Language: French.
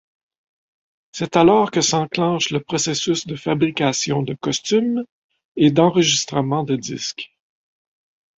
C’est alors que s’enclenche le processus de fabrication de costumes et d’enregistrement de disque.